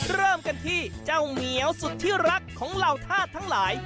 เริ่มกันที่เจ้าเหมียวสุดที่รักของเหล่าธาตุทั้งหลาย